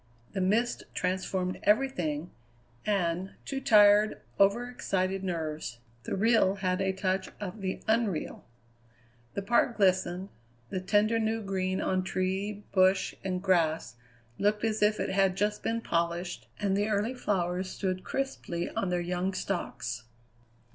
The mist transformed everything, and, to tired, overexcited nerves, the real had a touch of the unreal. The park glistened: the tender new green on tree, bush, and grass looked as if it had just been polished, and the early flowers stood crisply on their young stalks.